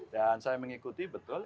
dan saya mengikuti betul